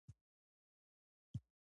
که په یوه سکه یو کیلو وریجې وپېرو